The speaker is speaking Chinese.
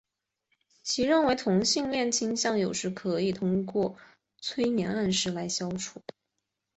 其认为同性恋倾向有时可以通过催眠暗示来消除。